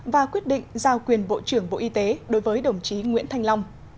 và quyết định giao quyền bộ trưởng bộ y tế đối với đồng chí nguyễn thanh long